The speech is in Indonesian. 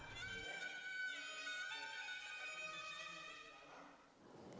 pada tahun dua ribu dua belas pesantren mengirimkan santri mereka hingga ke pelosok pulau lombok